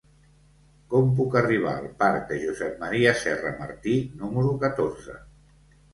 Com puc arribar al parc de Josep M. Serra Martí número catorze?